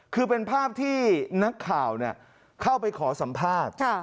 คือเป็นภาพที่นักข่าวเข้าไปขอสัมภาษณ์